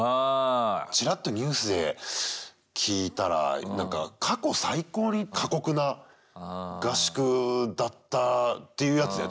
ちらっとニュースで聞いたらなんか過去最高に過酷な合宿だったっていうやつだよ